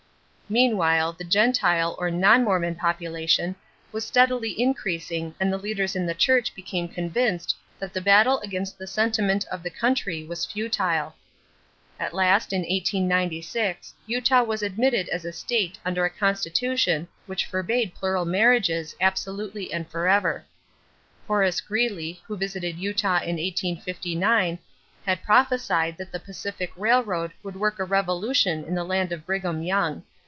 Meanwhile the Gentile or non Mormon population was steadily increasing and the leaders in the Church became convinced that the battle against the sentiment of the country was futile. At last in 1896 Utah was admitted as a state under a constitution which forbade plural marriages absolutely and forever. Horace Greeley, who visited Utah in 1859, had prophesied that the Pacific Railroad would work a revolution in the land of Brigham Young.